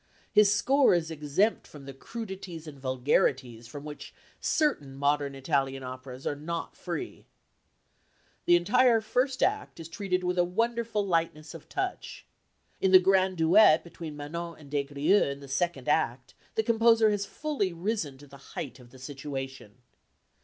His score is exempt from the crudities and vulgarities from which certain modern Italian operas are not free. The entire first act is treated with a wonderful lightness of touch. In the grand duet between Manon and Des Grieux in the second act, the composer has fully risen to the height of the situation.